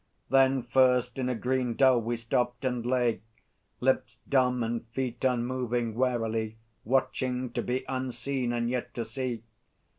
Then first in a green dell we stopped, and lay, Lips dumb and feet unmoving, warily Watching, to be unseen and yet to see.